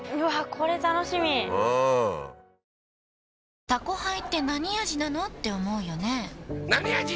これ楽しみうん「タコハイ」ってなに味なのーって思うよねなに味？